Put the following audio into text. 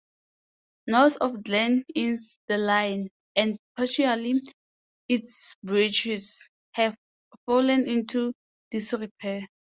North of Glen Innes the line, and particularly its bridges, have fallen into disrepair.